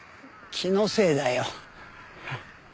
気のせいだよ。